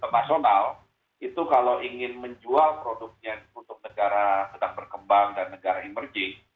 nasional itu kalau ingin menjual produknya untuk negara sedang berkembang dan negara emerging